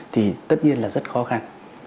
thì tất nhiên là rất khó khăn